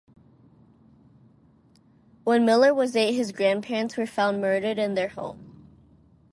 When Miller was eight, his grandparents were found murdered in their home.